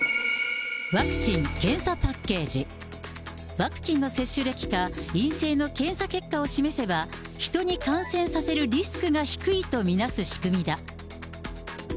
ワクチンの接種歴か陰性の検査結果を示せば、人に感染させるリスクが低いと見なす仕組みだ。